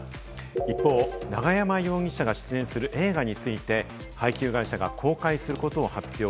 一方、永山容疑者が出演する映画について、配給会社が公開することを発表。